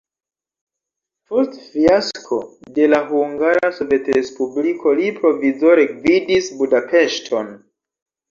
Post fiasko de la Hungara Sovetrespubliko li provizore gvidis Budapeŝton.